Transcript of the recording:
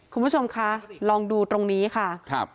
คุณผู้ชมคะลองดูตรงนี้ค่ะ